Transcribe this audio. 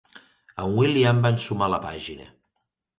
En William va ensumar la pàgina.